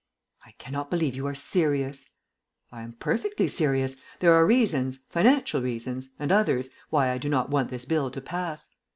"I cannot believe you are serious." "I am perfectly serious. There are reasons, financial reasons and others why I do not want this Bill to pass.